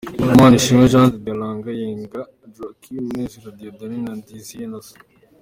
Manishimwe Jean de Dieu, Alanga Yenga Joachim, Munezero Dieudonné na Ndizeye Innocent.